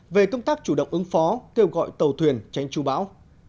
về công tác chủ động ứng phó kêu gọi tàu thuyền tránh trụ bão